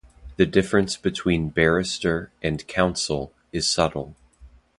The difference between "Barrister" and "Counsel" is subtle.